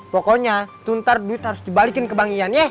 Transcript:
pokoknya tuh ntar duit harus dibalikin ke bang iyan ye